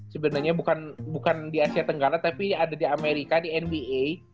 sebenarnya bukan di asia tenggara tapi ada di amerika di nba